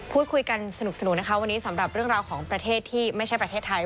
พูดคุยกันสนุกนะคะวันนี้สำหรับเรื่องราวของประเทศที่ไม่ใช่ประเทศไทย